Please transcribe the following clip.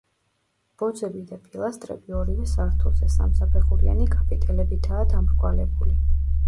ბოძები და პილასტრები, ორივე სართულზე, სამსაფეხურიანი კაპიტელებითაა დამრგვალებული.